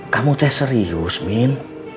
kamu teh serius min